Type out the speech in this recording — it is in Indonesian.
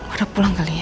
udah pulang kali ya